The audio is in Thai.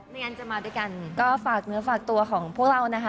งานจะมาด้วยกันก็ฝากเนื้อฝากตัวของพวกเรานะคะ